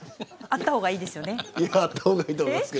あった方がいいですよね。